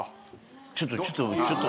ちょっとちょっとちょっと。